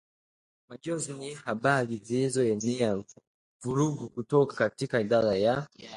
Majonzi ni habari zilizoenea vururgu kutoka katika idara ya